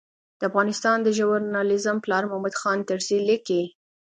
د افغانستان د ژورنالېزم پلار محمود خان طرزي لیکي.